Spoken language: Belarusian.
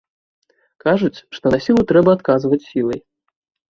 Кажуць, што на сілу трэба адказваць сілай.